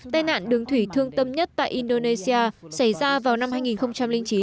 tai nạn đường thủy thương tâm nhất tại indonesia xảy ra vào năm hai nghìn chín